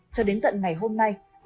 cho đến tận ngày hôm nay